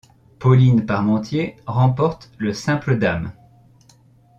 Pauline Parmentier remporte le simple dames.